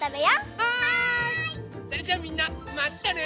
それじゃあみんなまたね！